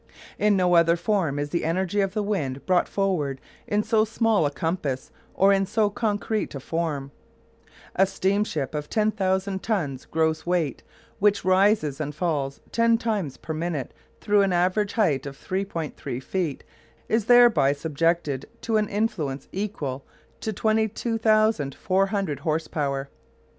In no other form is the energy of the wind brought forward in so small a compass or in so concrete a form. A steam ship of 10,000 tons gross weight which rises and falls ten times per minute through an average height of 3·3 feet is thereby subjected to an influence equal to 22,400 horse power.